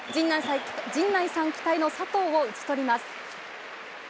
陣内さん期待の佐藤を打ち取ります。